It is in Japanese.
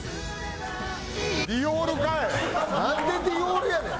なんでディオールやねん。